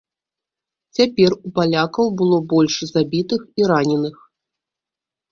Цяпер у палякаў было больш забітых і раненых.